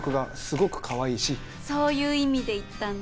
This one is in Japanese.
そういう意味で言ったんだ？